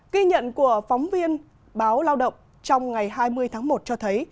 ghi nhận của phóng viên báo lao động trong ngày hai mươi tháng một cho thấy